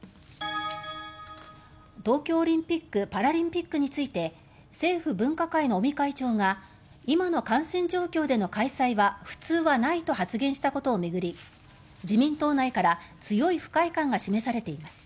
東京オリンピック・パラリンピックについて政府分科会の尾身会長が今の感染状況での開催は普通はないと発言したことを巡り自民党内から強い不快感が示されています。